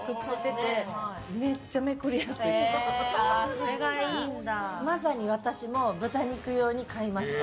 それがいいんだ。